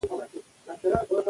پړانګ ونو ترمنځ ګرځي.